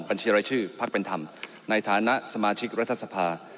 บัญชีรายชื่อพักเป็นธรรมในฐานะสมาชิกรัฐสภา